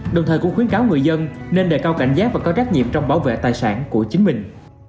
đồng thời cũng khuyến cáo người dân nên đề cao cảnh giác và có trách nhiệm trong bảo vệ tài sản của chính mình